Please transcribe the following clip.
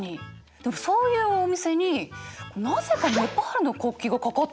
でもそういうお店になぜかネパールの国旗が掛かってたりするんだよな。